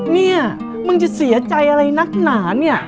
เนี่ยมึงจะเสียใจอะไรนักหนาเนี่ย